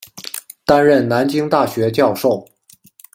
担任南京大学教授。